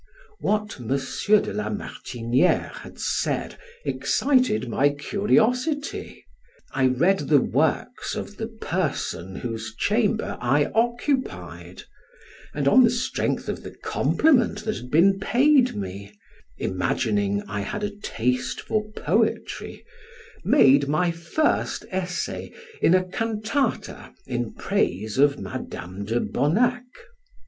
What M. de la Martiniere had said excited my curiosity; I read the works of the person whose chamber I occupied, and on the strength of the compliment that had been paid me (imagining I had a taste for poetry) made my first essay in a cantata in praise of Madam de Bonac.